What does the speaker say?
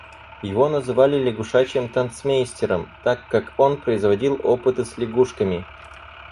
Его называли лягушачьим танцмейстером, так как он производил опыты с лягушками.